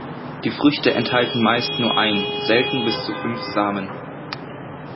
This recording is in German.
Die Früchte enthalten meist nur einen, selten bis zu fünf Samen.